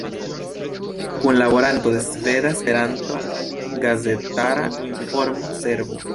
Kunlaboranto de Sveda-Esperanto Gazetara Informo-Servo.